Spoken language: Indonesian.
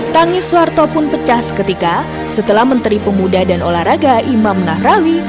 tangis soeharto pun pecah seketika setelah menteri pemuda dan olahraga imam nahrawi